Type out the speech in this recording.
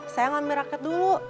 saya ngambil raket dulu